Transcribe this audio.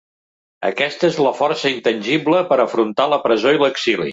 Aquesta és la força intangible per a afrontar la presó i l’exili.